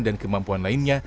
dan kemampuan lainnya